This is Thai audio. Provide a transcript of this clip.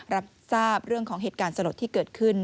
รับทราบเรื่องของเหตุการณ์สลดที่เกิดขึ้น